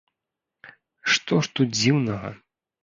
Што ж тут дзіўнага?!